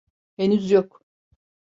Henüz yok.